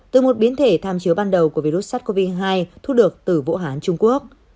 từ một biến thể tham chiếu ban đầu của virus sars cov hai thu được từ vũ hán trung quốc